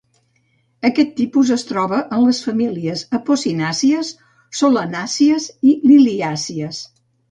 Aquest tipus es troba en les famílies apocinàcies, solanàcies, i liliàcies.